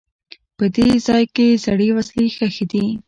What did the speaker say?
په دې ځای کې زړې وسلې ښخي دي.